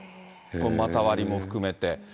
このまた割りも含めて。